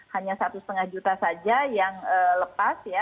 hanya satu lima juta saja yang lepas ya